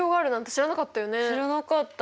知らなかった。